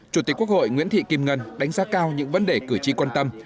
chủ tịch quốc hội nguyễn thị kim ngân đánh giá cao những vấn đề cử tri quan tâm